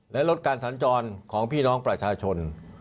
และลดการสัญจรของพี่น้องประชาชน